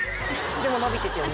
でも伸びてたよね。